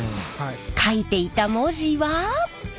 かいていた文字は？